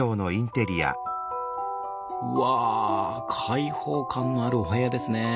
うわ開放感のあるお部屋ですね。